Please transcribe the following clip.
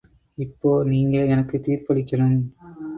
இப்போ நீங்க எனக்குத் தீர்ப்பளிக்கணும்.